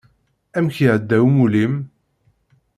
Amek iεedda umulli-m?